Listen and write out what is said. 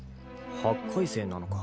８回生なのか。